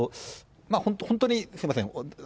本当に、すみません。